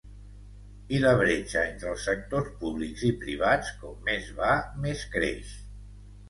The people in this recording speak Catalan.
I la bretxa entre els sectors públics i privats com més va més creix.